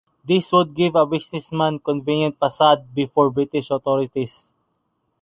This would give a businessman "convenient facade" before British Authorities.